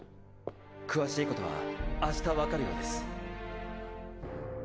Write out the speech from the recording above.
詳しいことはあした分かるようです。